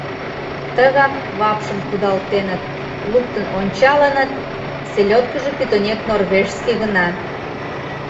Тыгак вапшым кудалтеныт, луктын ончалыныт — селёдкыжо пӱтынек норвежский гына.